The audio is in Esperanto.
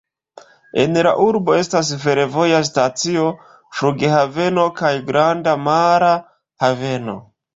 En la urbo estas fervoja stacio, flughaveno kaj granda mara haveno.